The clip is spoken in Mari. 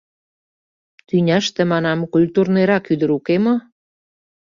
Тӱняште, — манам, — культурныйрак ӱдыр уке мо?